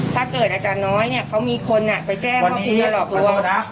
ถ้าเกิดอาจารย์น้อยเนี่ยเขามีคนไปแจ้วพี่หลังตัว